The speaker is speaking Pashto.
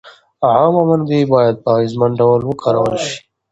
عامه منابع باید په اغېزمن ډول وکارول شي.